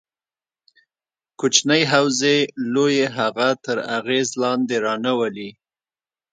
کوچنۍ حوزې لویې هغه تر اغېز لاندې رانه ولي.